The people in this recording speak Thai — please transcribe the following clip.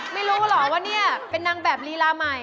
ไม่รู้เหรอว่าเนี่ยเป็นนางแบบลีลาใหม่